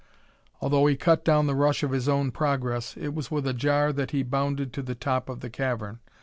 Although he cut down the rush of his own progress, it was with a jar that he bounded into the top of the cavern.